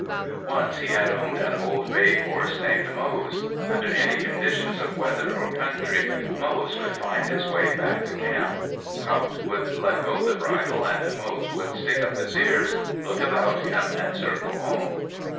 Once he had owned an old bay horse named Moze. Under any conditions of weather or country Moze could find his way back to camp. Haught would let go the bridle, and Moze would stick up his ears, look about him, and circle home.